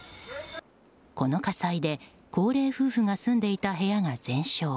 この火災で高齢夫婦が住んでいた部屋が全焼。